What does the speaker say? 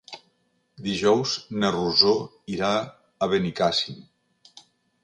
Dijous na Rosó irà a Benicàssim.